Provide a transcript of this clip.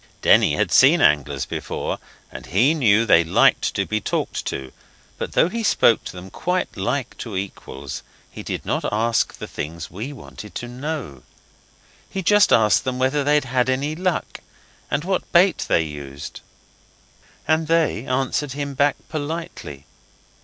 Denny had seen anglers before and he knew they liked to be talked to, but though he spoke to them quite like to equals he did not ask the things we wanted to know. He just asked whether they'd had any luck, and what bait they used. And they answered him back politely.